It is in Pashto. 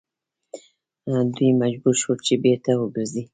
دوی مجبور شول چې بیرته وګرځي.